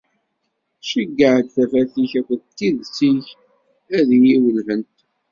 Ceyyeɛ-d tafat-ik akked tidet-ik ad iyi-wellhent.